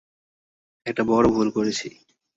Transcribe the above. একটা বড় ভুল করেছি।